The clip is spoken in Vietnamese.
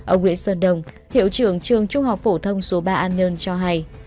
ông nguyễn sơn đồng hiệu trưởng trường trung học phổ thông số ba an nhơn cho hay